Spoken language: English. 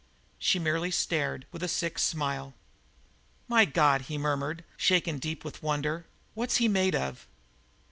She merely stared, with a sick smile. "My God!" he murmured, shaken deep with wonder. "What's he made of?"